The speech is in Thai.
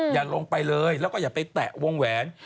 อย่าลงไปเลยแล้วก็อย่าไปแตะวงแหวน